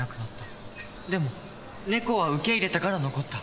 でも猫は受け入れたから残った。